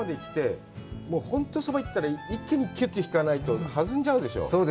本当にそばに行ったら一気に引かないとはずんじゃうでしょう。